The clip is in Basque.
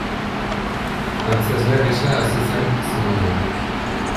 Antzezle gisa hasi zen zineman.